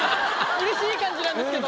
うれしい感じなんですけど。